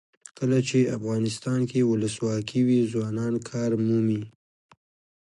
کله چې افغانستان کې ولسواکي وي ځوانان کار مومي.